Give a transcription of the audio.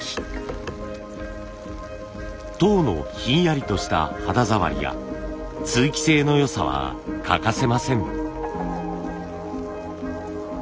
籐のひんやりとした肌触りや通気性の良さは欠かせません。